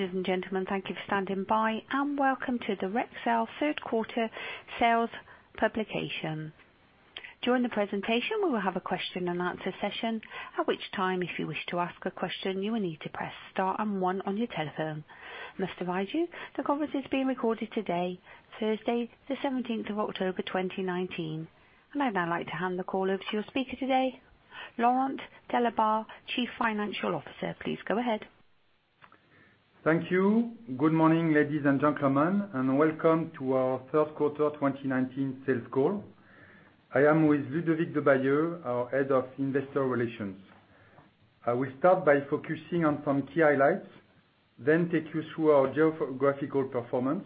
Ladies and gentlemen, thank you for standing by, and welcome to the Rexel third quarter sales publication. During the presentation, we will have a question and answer session, at which time, if you wish to ask a question, you will need to press star and one on your telephone. I must advise you, the conference is being recorded today, Thursday, the 17th of October, 2019. I'd now like to hand the call over to your speaker today, Laurent Delabarre, Chief Financial Officer. Please go ahead. Thank you. Good morning, ladies and gentlemen, and welcome to our third quarter 2019 sales call. I am with Ludovic Debailleul, our Head of Investor Relations. I will start by focusing on some key highlights, then take you through our geographical performance.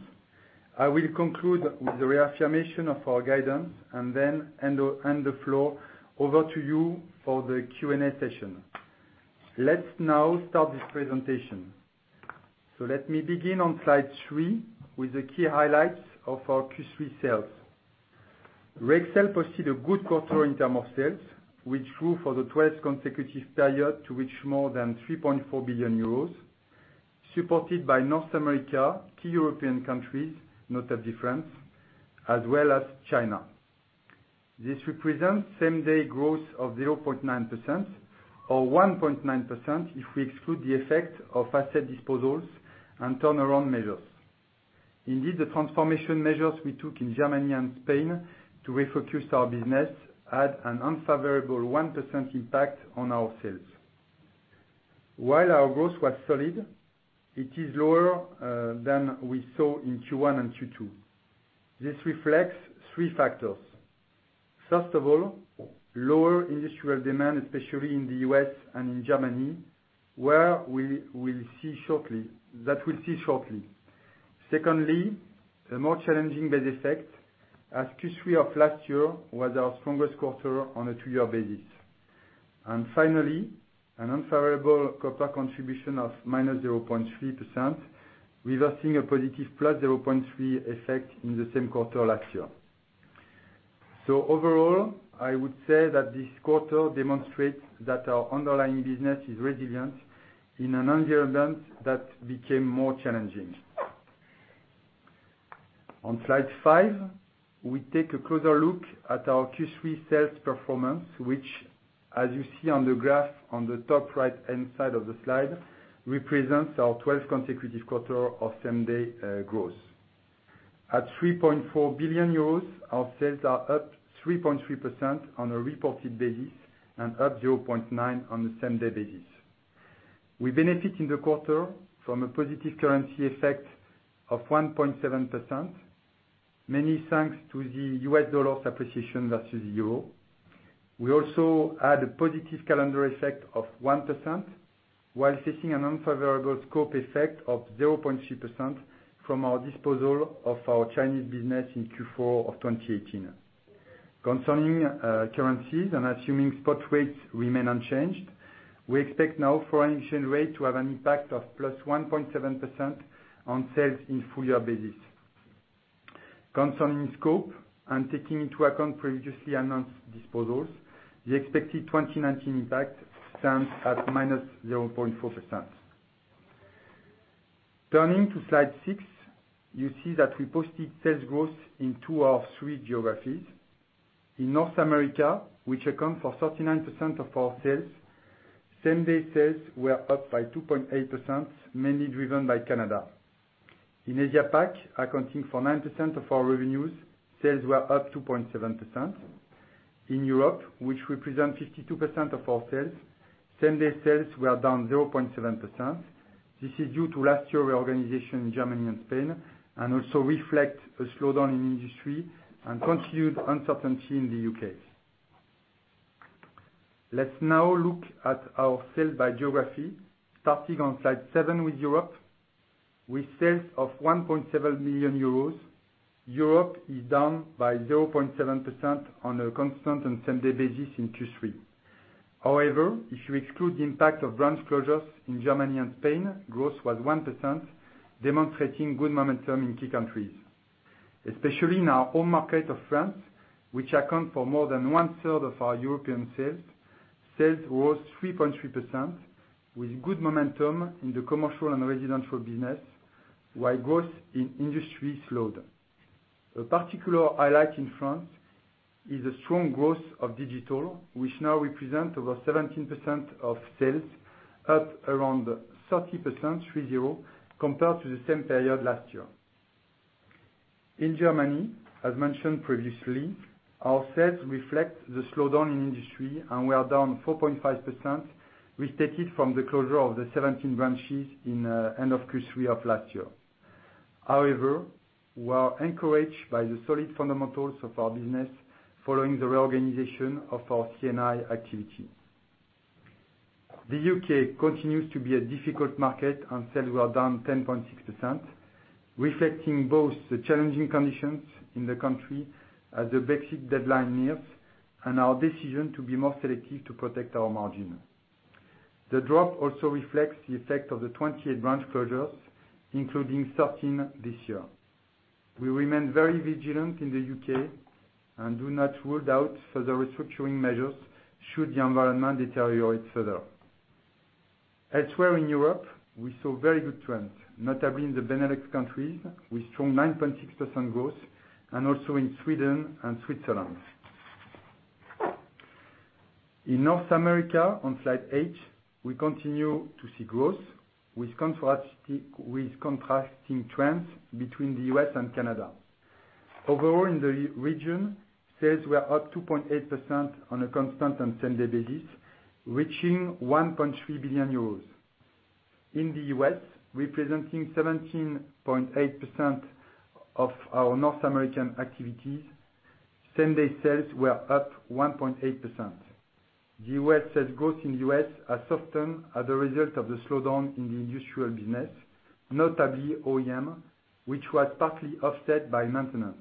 I will conclude with the reaffirmation of our guidance and then hand the floor over to you for the Q&A session. Let's now start this presentation. Let me begin on slide three with the key highlights of our Q3 sales. Rexel posted a good quarter in term of sales, which grew for the 12th consecutive period to reach more than €3.4 billion, supported by North America, key European countries, note that France, as well as China. This represents same-day growth of 0.9%, or 1.9% if we exclude the effect of asset disposals and turnaround measures. Indeed, the transformation measures we took in Germany and Spain to refocus our business had an unfavorable 1% impact on our sales. While our growth was solid, it is lower than we saw in Q1 and Q2. This reflects three factors. First of all, lower industrial demand, especially in the U.S. and in Germany, that we'll see shortly. Secondly, a more challenging base effect as Q3 of last year was our strongest quarter on a two-year basis. Finally, an unfavorable copper contribution of -0.3%, reversing a positive plus 0.3 effect in the same quarter last year. Overall, I would say that this quarter demonstrates that our underlying business is resilient in an environment that became more challenging. On slide five, we take a closer look at our Q3 sales performance, which as you see on the graph on the top right-hand side of the slide, represents our 12 consecutive quarter of same-day growth. At 3.4 billion euros, our sales are up 3.3% on a reported basis and up 0.9% on the same-day basis. We benefit in the quarter from a positive currency effect of 1.7%, mainly thanks to the U.S. dollar appreciation versus euro. We also had a positive calendar effect of 1%, while facing an unfavorable scope effect of 0.3% from our disposal of our Chinese business in Q4 of 2018. Concerning currencies and assuming spot rates remain unchanged, we expect now foreign exchange rate to have an impact of plus 1.7% on sales in full year basis. Concerning scope and taking into account previously announced disposals, the expected 2019 impact stands at -0.4%. Turning to slide six, you see that we posted sales growth in two of three geographies. In North America, which account for 39% of our sales, same-day sales were up by 2.8%, mainly driven by Canada. In Asia Pacific, accounting for 9% of our revenues, sales were up 2.7%. In Europe, which represent 52% of our sales, same-day sales were down 0.7%. This is due to last year reorganization in Germany and Spain, and also reflect a slowdown in industry and continued uncertainty in the U.K. Let's now look at our sales by geography, starting on slide seven with Europe. With sales of 1.7 million euros, Europe is down by 0.7% on a constant and same-day basis in Q3. If you exclude the impact of branch closures in Germany and Spain, growth was 1%, demonstrating good momentum in key countries. Especially in our home market of France, which account for more than one-third of our European sales rose 3.3% with good momentum in the commercial and residential business, while growth in industry slowed. A particular highlight in France is the strong growth of digital, which now represent over 17% of sales, up around 30%, compared to the same period last year. In Germany, as mentioned previously, our sales reflect the slowdown in industry, and we are down 4.5%, restated from the closure of the 17 branches in end of Q3 of last year. We are encouraged by the solid fundamentals of our business following the reorganization of our C&I activity. The U.K. continues to be a difficult market. Sales were down 10.6%, reflecting both the challenging conditions in the country as the Brexit deadline nears and our decision to be more selective to protect our margin. The drop also reflects the effect of the 28 branch closures, including 13 this year. We remain very vigilant in the U.K. and do not rule out further restructuring measures should the environment deteriorate further. Elsewhere in Europe, we saw very good trends, notably in the Benelux countries, with strong 9.6% growth. Also in Sweden and Switzerland. In North America, on slide eight, we continue to see growth with contrasting trends between the U.S. and Canada. Overall in the region, sales were up 2.8% on a constant and same day basis, reaching 1.3 billion euros. In the U.S., representing 17.8% of our North American activities, same-day sales were up 1.8%. The sales growth in the U.S. has softened as a result of the slowdown in the industrial business, notably OEM, which was partly offset by maintenance.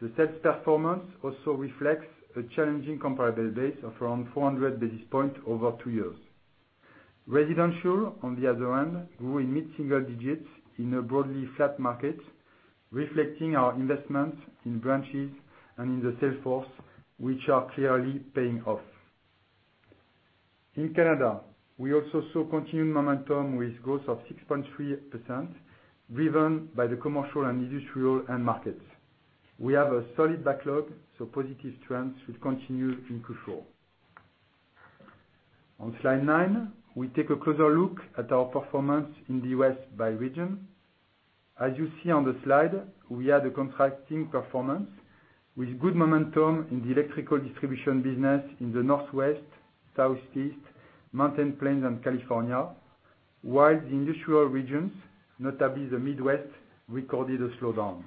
The sales performance also reflects a challenging comparable base of around 400 basis points over two years. Residential, on the other hand, grew in mid-single digits in a broadly flat market, reflecting our investment in branches and in the sales force, which are clearly paying off. In Canada, we also saw continued momentum with growth of 6.3%, driven by the commercial and industrial end markets. We have a solid backlog, positive trends should continue in Q4. On slide nine, we take a closer look at our performance in the U.S. by region. As you see on the slide, we had a contrasting performance with good momentum in the electrical distribution business in the Northwest, Southeast, Mountain Plains, and California, while the industrial regions, notably the Midwest, recorded a slowdown.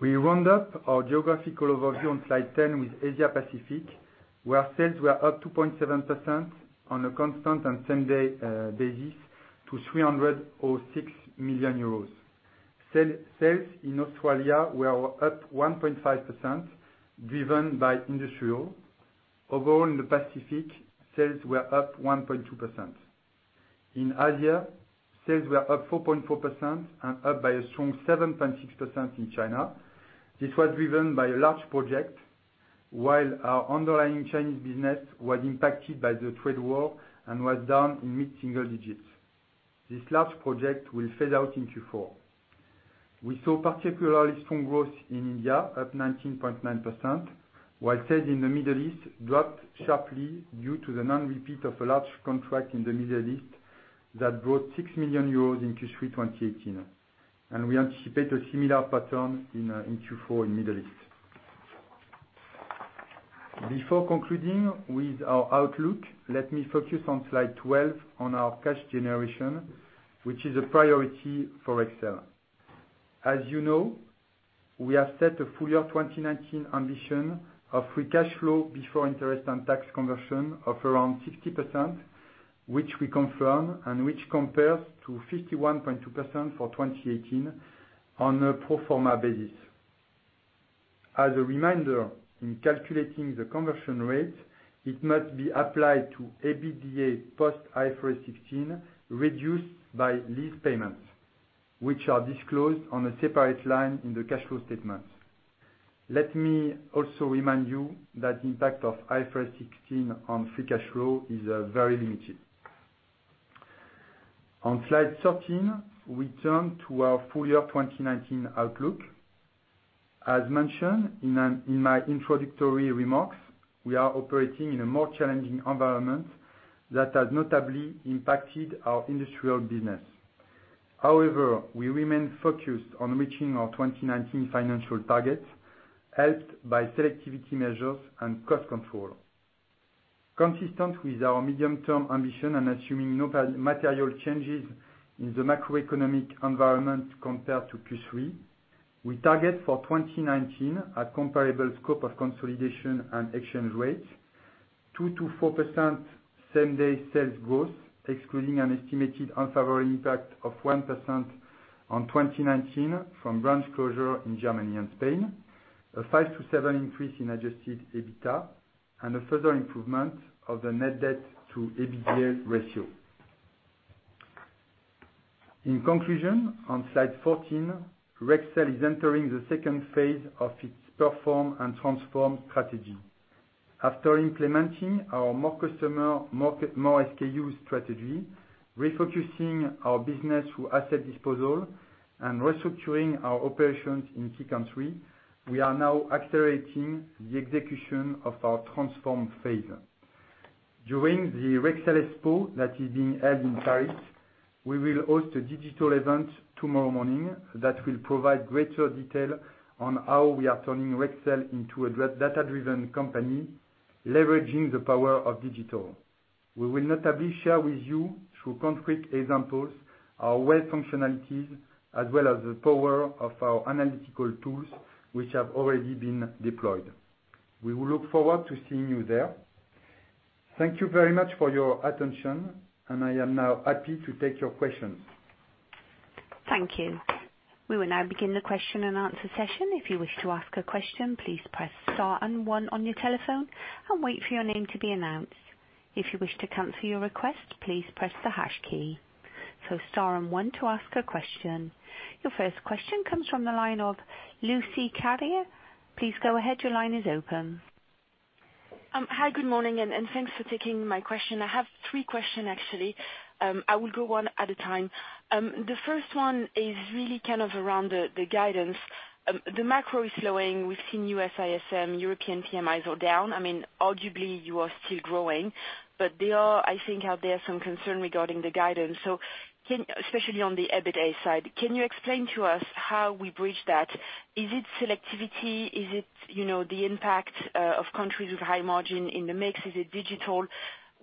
We round up our geographical overview on slide 10 with Asia Pacific, where sales were up 2.7% on a constant and same-day basis to 306 million euros. Sales in Australia were up 1.5%, driven by industrial. Overall in the Pacific, sales were up 1.2%. In Asia, sales were up 4.4% and up by a strong 7.6% in China. This was driven by a large project, while our underlying Chinese business was impacted by the trade war and was down in mid-single digits. This large project will fade out in Q4. We saw particularly strong growth in India, up 19.9%, while sales in the Middle East dropped sharply due to the non-repeat of a large contract in the Middle East that brought 6 million euros in Q3 2018. We anticipate a similar pattern in Q4 in Middle East. Before concluding with our outlook, let me focus on slide 12 on our cash generation, which is a priority for Rexel. As you know, we have set a full year 2019 ambition of free cash flow before interest and tax conversion of around 60%, which we confirm and which compares to 51.2% for 2018 on a pro forma basis. As a reminder, in calculating the conversion rate, it must be applied to EBITDA post IFRS 16, reduced by lease payments, which are disclosed on a separate line in the cash flow statement. Let me also remind you that the impact of IFRS 16 on free cash flow is very limited. On slide 13, we turn to our full-year 2019 outlook. As mentioned in my introductory remarks, we are operating in a more challenging environment that has notably impacted our industrial business. However, we remain focused on reaching our 2019 financial targets, helped by selectivity measures and cost control. Consistent with our medium-term ambition and assuming no material changes in the macroeconomic environment compared to Q3, we target for 2019 a comparable scope of consolidation and exchange rates, 2%-4% same-day sales growth, excluding an estimated unfavorable impact of 1% on 2019 from branch closure in Germany and Spain, a 5%-7% increase in adjusted EBITDA, and a further improvement of the net debt to EBITDA ratio. In conclusion, on slide 14, Rexel is entering the 2nd phase of its Perform and Transform strategy. After implementing our more customer, more SKU strategy, refocusing our business through asset disposal, and restructuring our operations in key countries, we are now accelerating the execution of our Transform phase. During the Rexel Expo that is being held in Paris, we will host a digital event tomorrow morning that will provide greater detail on how we are turning Rexel into a data-driven company, leveraging the power of digital. We will notably share with you through concrete examples, our web functionalities, as well as the power of our analytical tools, which have already been deployed. We will look forward to seeing you there. Thank you very much for your attention, and I am now happy to take your questions. Thank you. We will now begin the question and answer session. If you wish to ask a question, please press star and one on your telephone and wait for your name to be announced. If you wish to cancel your request, please press the hash key. Star and one to ask a question. Your first question comes from the line of Lucie Carrier. Please go ahead, your line is open. Hi, good morning. Thanks for taking my question. I have three question, actually. I will go one at a time. The first one is really kind of around the guidance. The macro is slowing. We've seen U.S. ISM, European PMIs are down. Arguably, you are still growing, but there are, I think, out there, some concern regarding the guidance, especially on the EBITDA side. Can you explain to us how we bridge that? Is it selectivity? Is it the impact of countries with high margin in the mix? Is it digital?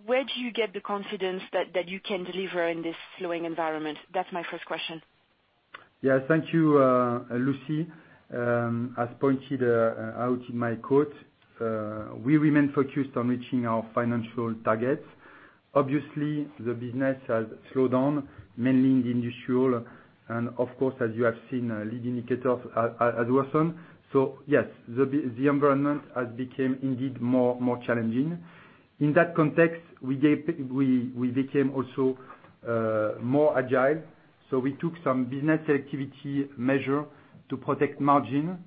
Where do you get the confidence that you can deliver in this slowing environment? That's my first question. Yeah. Thank you, Lucie. As pointed out in my quote, we remain focused on reaching our financial targets. Obviously, the business has slowed down, mainly in the industrial, of course, as you have seen, lead indicators have worsened. Yes, the environment has become indeed more challenging. In that context, we became also more agile. We took some business selectivity measures to protect margin,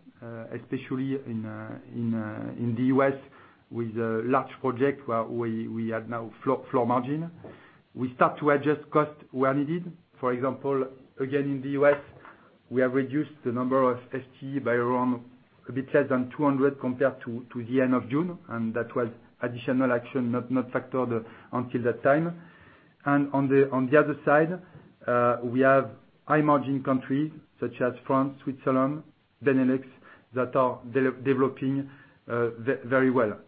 especially in the U.S. with a large project where we had now floor margin. We started to adjust costs where needed. For example, again, in the U.S., we have reduced the number of FTE by around a bit less than 200 compared to the end of June, that was additional action not factored until that time. On the other side, we have high margin countries such as France, Switzerland, Benelux, that are developing very well.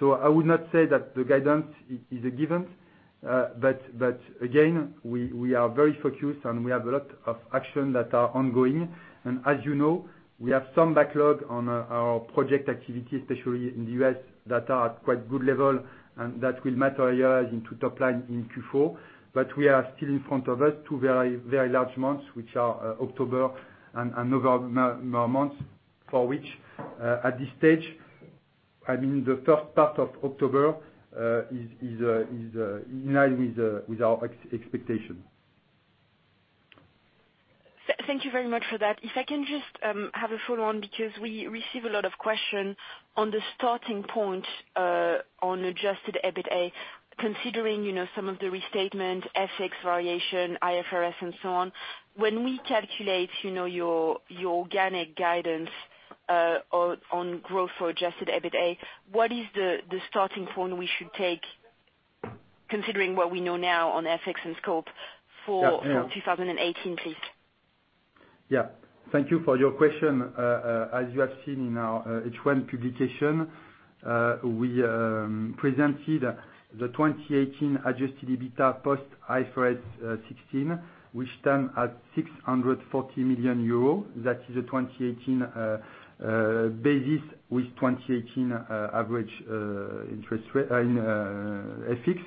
I would not say that the guidance is a given, but again, we are very focused, and we have a lot of action that are ongoing. As you know, we have some backlog on our project activity, especially in the U.S., that are at quite good level and that will materialize into top line in Q4. We are still in front of us two very large months, which are October and November months. At this stage, the first part of October is in line with our expectation. Thank you very much for that. I can just have a follow-on, because we receive a lot of question on the starting point on adjusted EBITDA, considering some of the restatement, FX variation, IFRS, and so on. When we calculate your organic guidance on growth for adjusted EBITDA, what is the starting point we should take, considering what we know now on FX and scope for. Yeah 2018, please? Yeah. Thank you for your question. As you have seen in our H1 publication, we presented the 2018 adjusted EBITDA post IFRS 16, which stand at 640 million euros. That is a 2018 basis with 2018 average interest rate in FX.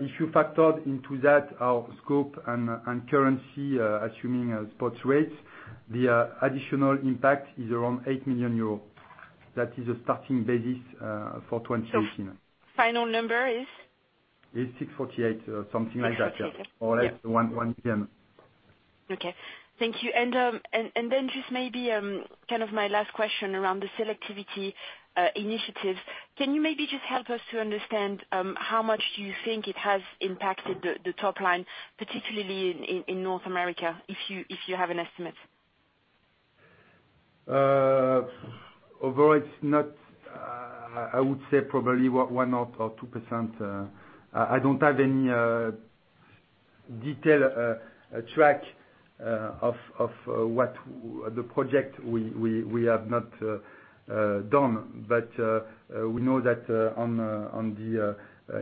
If you factored into that our scope and currency, assuming a spot rate, the additional impact is around 8 million euros. That is a starting basis for 2018. Final number is? Is 648, something like that. 648. like 1 million. Okay. Thank you. Just maybe kind of my last question around the Selectivity Initiative. Can you maybe just help us to understand how much do you think it has impacted the top line, particularly in North America, if you have an estimate? Although it's not, I would say probably 1% or 2%. I don't have any detailed track of what the project we have not done. We know that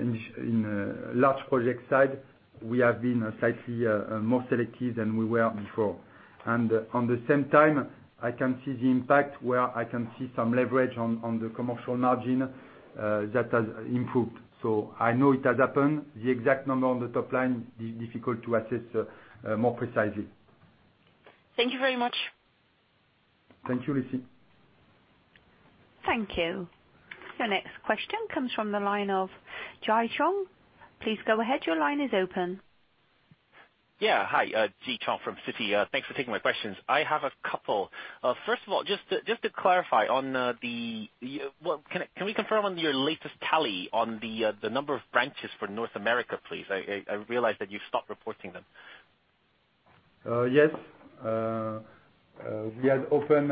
in large project side, we have been slightly more selective than we were before. On the same time, I can see the impact where I can see some leverage on the commercial margin that has improved. I know it has happened. The exact number on the top line is difficult to assess more precisely. Thank you very much. Thank you, Lucie. Thank you. Your next question comes from the line of Ji Chong. Please go ahead, your line is open. Hi. Ji Chong from Citi. Thanks for taking my questions. I have a couple. First of all, just to clarify, can we confirm on your latest tally on the number of branches for North America, please? I realize that you've stopped reporting them. Yes. We had opened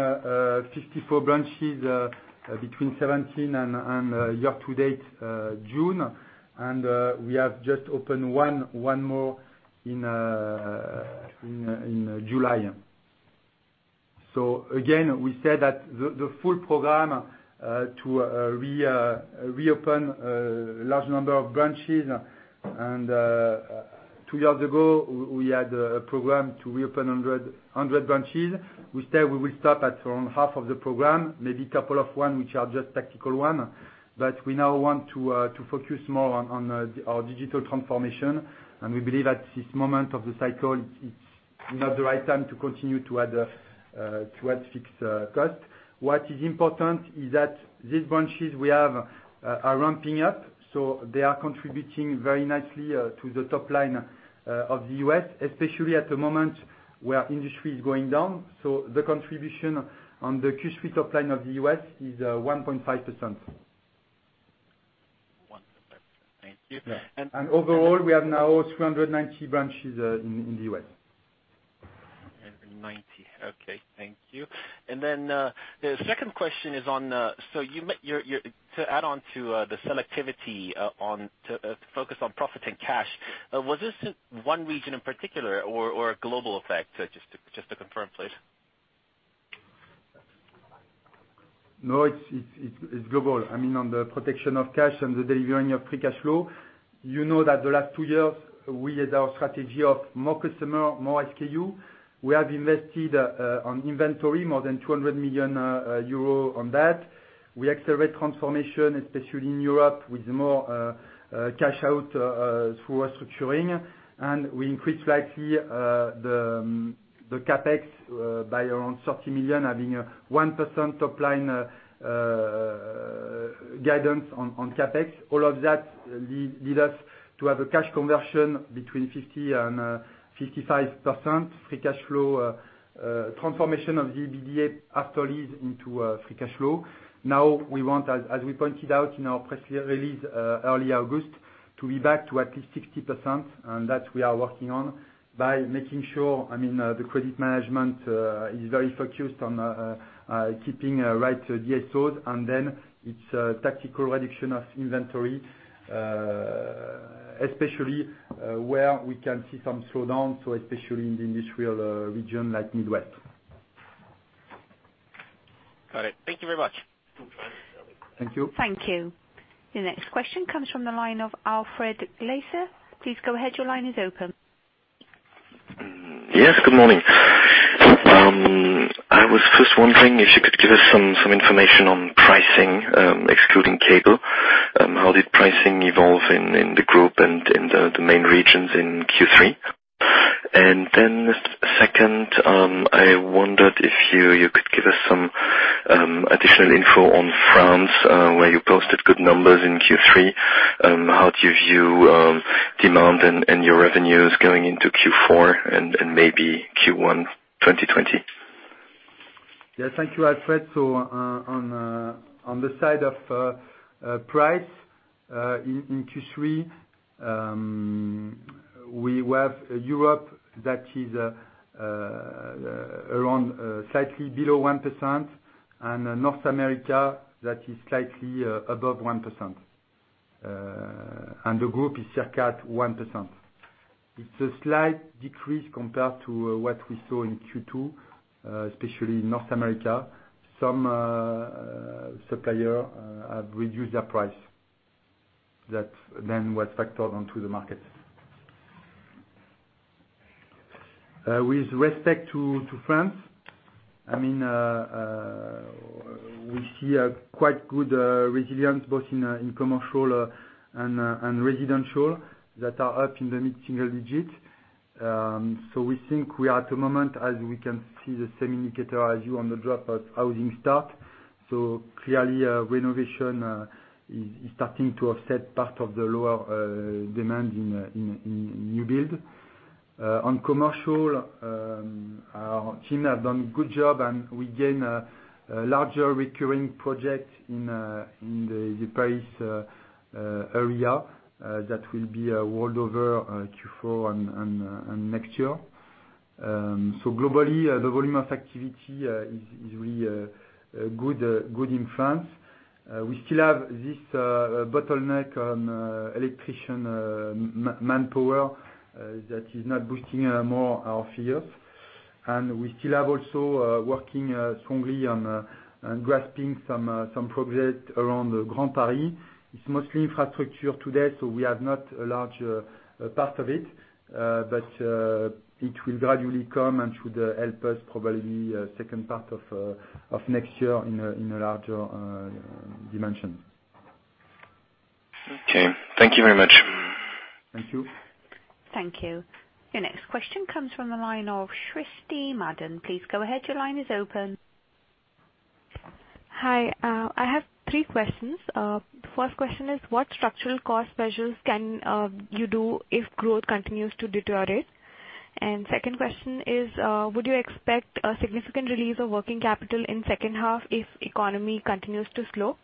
54 branches between 2017 and year to date June. We have just opened one more in July. Again, we said that the full program to reopen a large number of branches. Two years ago, we had a program to reopen 100 branches. We said we will stop at around half of the program, maybe couple of one, which are just tactical one. We now want to focus more on our digital transformation, and we believe at this moment of the cycle, it's not the right time to continue to add fixed cost. What is important is that these branches we have are ramping up, so they are contributing very nicely to the top line of the U.S., especially at the moment where industry is going down. The contribution on the Q3 top line of the U.S. is 1.5%. 1.5%. Thank you. Yeah. Overall, we have now 290 branches in the U.S. Okay. Thank you. The second question is on, to add on to the selectivity to focus on profit and cash, was this one region in particular or a global effect? Just to confirm, please. No, it's global. On the protection of cash and the delivering of free cash flow. You know that the last two years, we had our strategy of more customer, more SKU. We have invested on inventory, more than 200 million euro on that. We accelerate transformation, especially in Europe with more cash out through our structuring. We increased slightly the CapEx by around 30 million, having 1% top line guidance on CapEx. All of that lead us to have a cash conversion between 50% and 55% free cash flow transformation of the EBITDA after lead into free cash flow. Now, we want, as we pointed out in our press release early August, to be back to at least 60%, and that we are working on by making sure the credit management is very focused on keeping right DSO, and then it's tactical reduction of inventory, especially where we can see some slowdown, so especially in the industrial region like Midwest. Got it. Thank you very much. Thank you. Thank you. Your next question comes from the line of Andreas Glaser. Please go ahead. Your line is open. Yes, good morning. I was first wondering if you could give us some information on pricing, excluding cable. How did pricing evolve in the group and in the main regions in Q3? Second, I wondered if you could give us some additional info on France, where you posted good numbers in Q3. How do you view demand and your revenues going into Q4 and maybe Q1 2020? Yeah, thank you, Andreas. On the side of price, in Q3, we have Europe that is around slightly below 1%, and North America that is slightly above 1%. The group is circa 1%. It's a slight decrease compared to what we saw in Q2, especially in North America. Some supplier have reduced their price. That then was factored onto the market. With respect to France, we see a quite good resilience both in commercial and residential that are up in the mid-single digit. We think we are at the moment as we can see the same indicator as you on the drop of housing start. Clearly, renovation is starting to offset part of the lower demand in new build. On commercial, our team has done a good job and we gain a larger recurring project in the Paris area, that will be rolled over Q4 and next year. Globally, the volume of activity is really good in France. We still have this bottleneck on electrician manpower that is not boosting more our fears. We still have also working strongly on grasping some progress around the Grand Paris. It's mostly infrastructure today, so we have not a large part of it. It will gradually come and should help us probably second part of next year in a larger dimension. Okay. Thank you very much. Thank you. Thank you. Your next question comes from the line of Srishti Madan. Please go ahead. Your line is open. Hi. I have three questions. First question is, what structural cost measures can you do if growth continues to deteriorate? Second question is, would you expect a significant release of working capital in second half if economy continues to slow?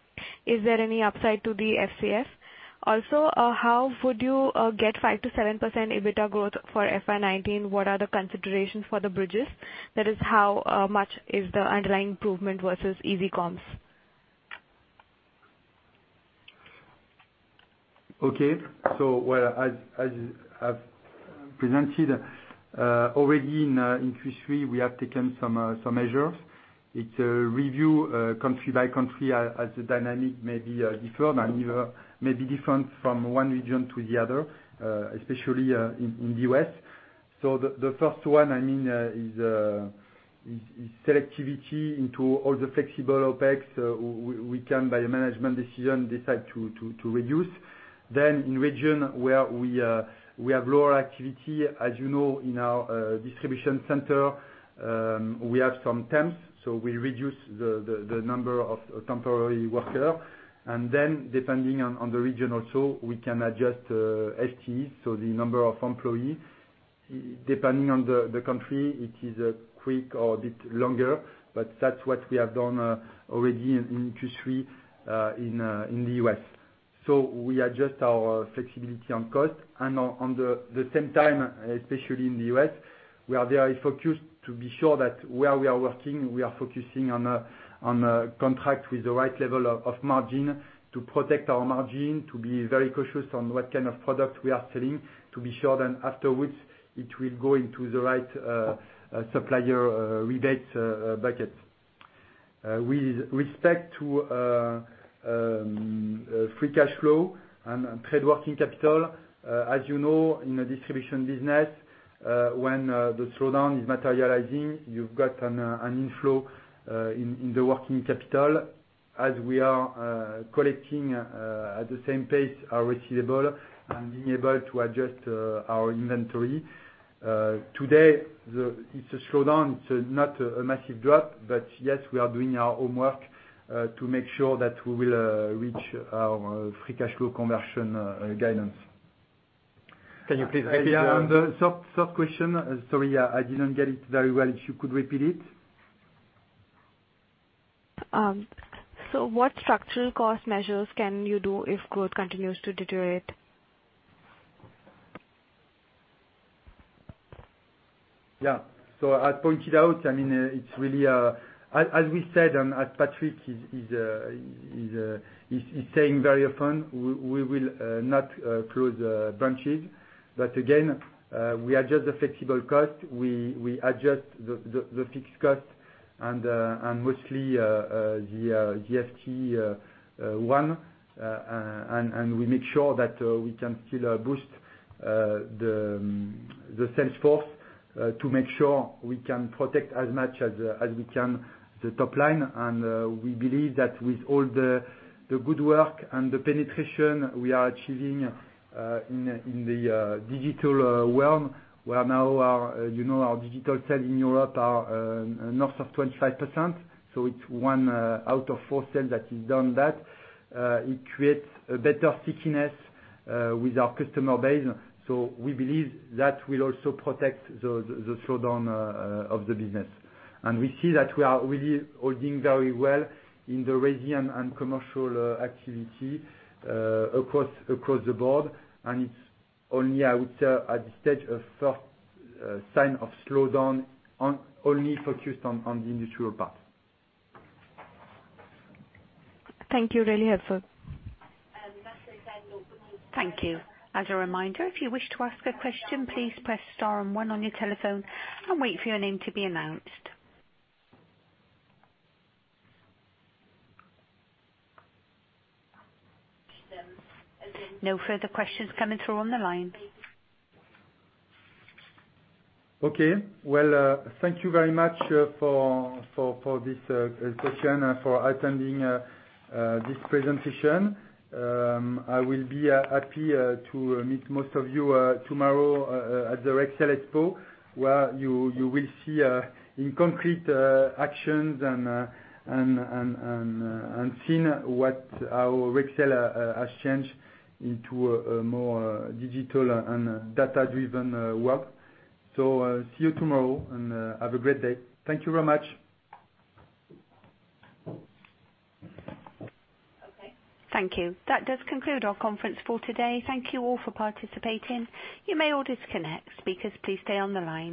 Is there any upside to the FCF? How would you get 5%-7% EBITDA growth for FY 2019? What are the considerations for the bridges? That is how much is the underlying improvement versus easy comps? Okay. As I've presented already in Q3, we have taken some measures. It's a review country by country as the dynamic may be different from one region to the other, especially in the U.S. The first one is selectivity into all the flexible OPEX. We can, by a management decision, decide to reduce. In region where we have lower activity, as you know, in our distribution center, we have some temps, we reduce the number of temporary worker. Depending on the region also, we can adjust FTEs, the number of employees. Depending on the country, it is quick or a bit longer, but that's what we have done already in Q3 in the U.S. We adjust our flexibility on cost and on the same time, especially in the U.S., we are very focused to be sure that where we are working, we are focusing on contract with the right level of margin to protect our margin, to be very cautious on what kind of product we are selling, to be sure then afterwards it will go into the right supplier rebate bucket. With respect to free cash flow and trade working capital, as you know, in a distribution business, when the slowdown is materializing, you've got an inflow in the working capital, as we are collecting at the same pace our receivable and being able to adjust our inventory. Today, it's a slowdown. It's not a massive drop. Yes, we are doing our homework, to make sure that we will reach our free cash flow conversion guidance. Can you please repeat? On the third question, sorry, I didn't get it very well, if you could repeat it. What structural cost measures can you do if growth continues to deteriorate? Yeah. I pointed out, as we said and as Patrick is saying very often, we will not close branches. Again, we adjust the flexible cost, we adjust the fixed cost and mostly the FTE, and we make sure that we can still boost the sales force to make sure we can protect as much as we can the top line and we believe that with all the good work and the penetration we are achieving in the digital realm, where now our digital sales in Europe are north of 25%, so it's 1 out of 4 sales that is done that, it creates a better stickiness with our customer base. We believe that will also protect the slowdown of the business. We see that we are really holding very well in the resi and commercial activity across the board, and it's only, I would say at this stage, a first sign of slowdown only focused on the industrial part. Thank you. Really helpful. Thank you. As a reminder, if you wish to ask a question, please press star and one on your telephone and wait for your name to be announced. No further questions coming through on the line. Okay. Well, thank you very much for this question, for attending this presentation. I will be happy to meet most of you tomorrow at the Rexel Expo, where you will see in concrete actions and seen what our Rexel has changed into a more digital and data-driven work. See you tomorrow, and have a great day. Thank you very much. Okay. Thank you. That does conclude our conference for today. Thank you all for participating. You may all disconnect. Speakers, please stay on the line.